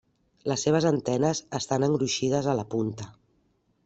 Les seves antenes estan engruixides a la punta.